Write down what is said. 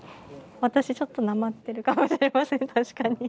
私ちょっとなまってるかもしれません確かに。